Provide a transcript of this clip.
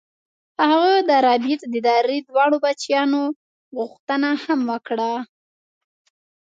هغه د ربیټ د درې واړو بچیانو غوښتنه هم وکړه